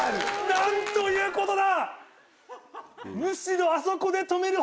何ということだ！